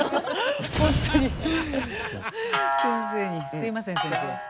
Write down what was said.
すみません先生。